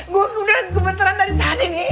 gue udah gemeteran dari tadi nih